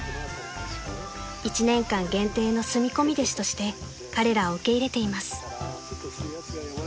［１年間限定の住み込み弟子として彼らを受け入れています］